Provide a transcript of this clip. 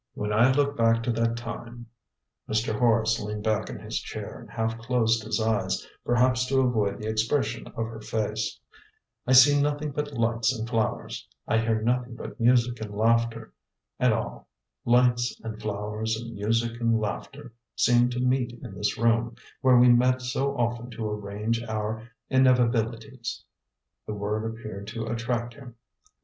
"When I look back to that time," Mr. Horace leaned back in his chair and half closed his eyes, perhaps to avoid the expression of her face, "I see nothing but lights and flowers, I hear nothing but music and laughter; and all lights and flowers and music and laughter seem to meet in this room, where we met so often to arrange our inevitabilities." The word appeared to attract him.